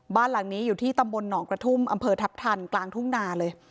บ้านหลังนี้อยู่ที่ตำบลหนองกระทุ่มอำเภอทัพทันกลางทุ่งนาเลย